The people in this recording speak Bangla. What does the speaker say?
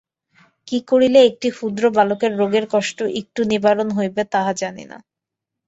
কী করিলে একটি ক্ষুদ্র বালকের রোগের কষ্ট একটু নিবারণ হইবে তাহা জানি না।